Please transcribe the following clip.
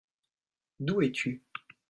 D'où es-tu ?